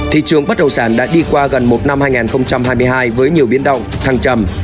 thị trường bất động sản đã đi qua gần một năm hai nghìn hai mươi hai với nhiều biến động thăng trầm